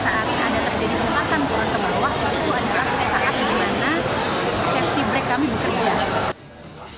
itu adalah saat di mana safety break kami bekerja